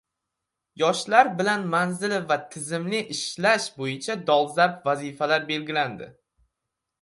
Yoshlar bilan manzilli va tizimli ishlash bo‘yicha dolzarb vazifalar belgilandi